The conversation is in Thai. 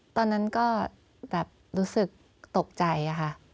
ตอนนั้นก็แบบรู้สึกตกใจค่ะ